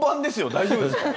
大丈夫ですか？